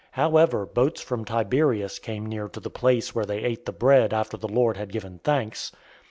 006:023 However boats from Tiberias came near to the place where they ate the bread after the Lord had given thanks.